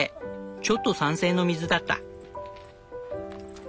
ちょっと酸性の水だった。